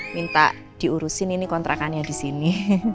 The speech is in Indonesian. minta diurusin ini kontrakannya di sini